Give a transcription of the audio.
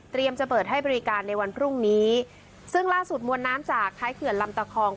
จะเปิดให้บริการในวันพรุ่งนี้ซึ่งล่าสุดมวลน้ำจากท้ายเขื่อนลำตะคอง